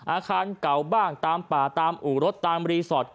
อาคารเก่าบ้างตามป่าตามอู่รถตามรีสอร์ท